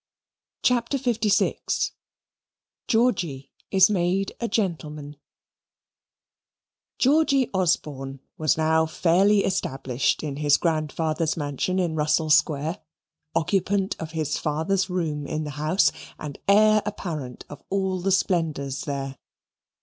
CHAPTER LVI Georgy is Made a Gentleman Georgy Osborne was now fairly established in his grandfather's mansion in Russell Square, occupant of his father's room in the house and heir apparent of all the splendours there.